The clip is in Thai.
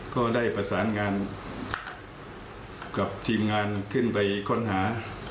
ก็ได้ประสานงานกับทีมงานขึ้นไปค้นหา